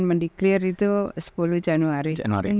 mendiklir itu sepuluh januari